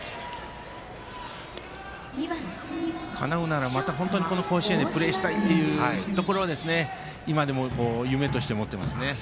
かなうならばまたこの甲子園でプレーしたいというところ今でも夢として持っています。